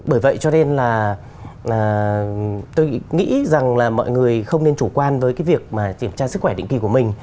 bởi vậy cho nên là tôi nghĩ rằng là mọi người không nên chủ quan với cái việc mà kiểm tra sức khỏe định kỳ của mình